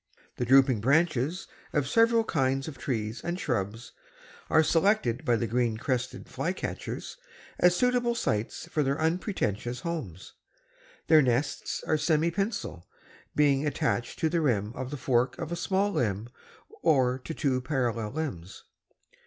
The drooping branches of several kinds of trees and shrubs are selected by the Green crested Flycatchers as suitable sites for their unpretentious homes. The nests are semipensil, being attached by the rim to the fork of a small limb or to two parallel limbs.